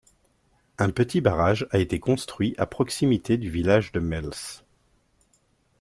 Un petit barrage a été construit à proximité du village de Mels.